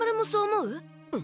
うん。